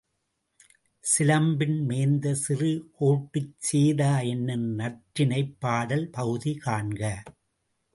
சிலம்பின் மேய்ந்த சிறு கோட்டுச்சேதா என்னும் நற்றிணைப் பாடல் பகுதி காண்க.